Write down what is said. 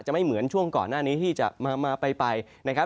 ไม่เหมือนช่วงก่อนหน้านี้ที่จะมาไปนะครับ